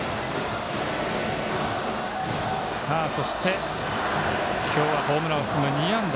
そして、今日はホームランを含む２安打。